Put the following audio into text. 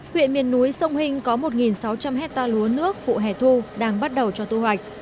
huyện miền núi sông hình có một sáu trăm linh hectare lúa nước vụ hẻ thu đang bắt đầu cho thu hoạch